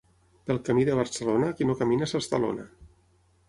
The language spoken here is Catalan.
Pel camí de Barcelona, qui no camina s'estalona.